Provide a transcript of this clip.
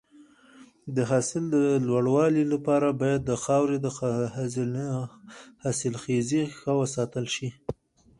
د حاصل د لوړوالي لپاره باید د خاورې حاصلخیزي ښه وساتل شي.